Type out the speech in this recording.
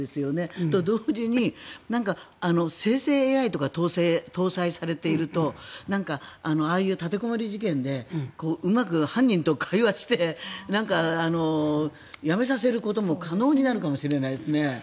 それと同時に生成ＡＩとか搭載されているとああいう立てこもり事件でうまく犯人と会話してなんかやめさせることも可能になるかもしれないですね。